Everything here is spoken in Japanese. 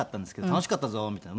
「楽しかったぞ」みたいな。